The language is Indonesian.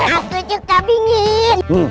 aku suka bingit